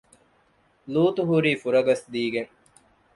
ލޫޠު ހުރީ ފުރަގަސްދީގެން